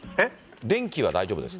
電気は大丈夫ですか？